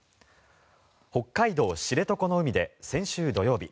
北海道知床の海で先週土曜日